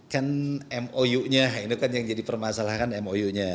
kan mou nya ini kan yang jadi permasalahan mou nya